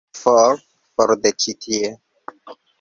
For, for de ĉi tie!